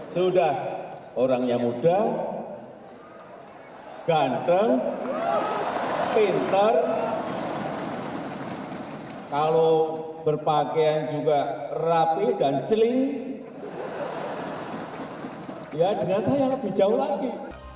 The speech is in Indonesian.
sudah orangnya muda ganteng pinter kalau berpakaian juga rapi dan celing ya dengan saya lebih jauh lagi